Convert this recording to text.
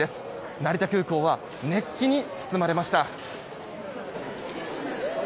成田空港は熱気に包まれました。